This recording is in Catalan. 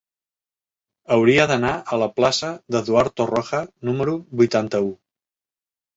Hauria d'anar a la plaça d'Eduard Torroja número vuitanta-u.